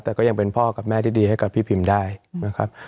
แต่ก็ยังเป็นพ่อกับแม่ที่ดีให้กับพี่พิมได้นะครับ